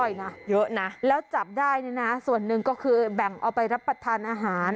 นะเยอะนะแล้วจับได้เนี่ยนะส่วนหนึ่งก็คือแบ่งเอาไปรับประทานอาหาร